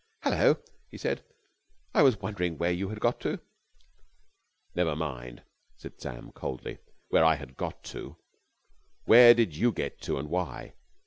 "Hullo!" he said. "I was wondering where you had got to." "Never mind," said Sam coldly, "where I had got to! Where did you get to, and why?